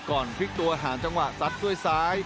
พลิกตัวหาจังหวะซัดด้วยซ้าย